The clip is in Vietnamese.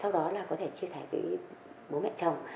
sau đó là có thể chia sẻ với bố mẹ chồng